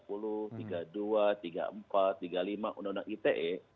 tiga puluh empat tiga puluh lima undang undang ite